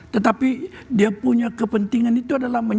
tetapi dia punya kepentingan itu adalah